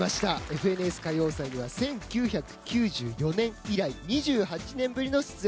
「ＦＮＳ歌謡祭」には１９９４年以来２８年ぶりの出演